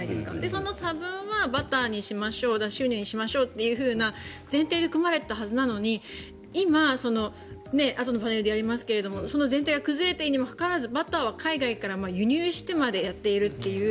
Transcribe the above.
その差分はバターにしましょう脱脂粉乳しましょうというふうな前提で組まれていたはずなのに今、あとでやりますがその前提が崩れているにもかかわらずバターは海外から輸入してまでやっているという。